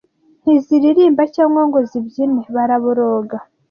ntiziririmba cyangwa ngo zibyine Baraboroga